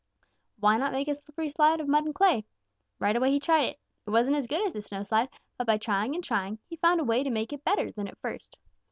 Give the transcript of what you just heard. Why not make a slippery slide of mud and clay? Right away he tried it. It wasn't as good as the snow slide, but by trying and trying, he found a way to make it better than at first.